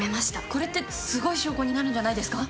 これって、すごい証拠になるんじゃないですか？